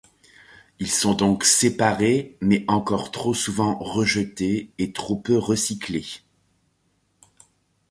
Ils sont donc séparés mais encore trop souvent rejetés et trop peu recyclés.